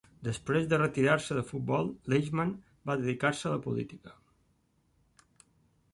Després de retirar-se del futbol, Leishman va dedicar-se a la política.